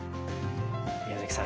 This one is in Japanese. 宮崎さん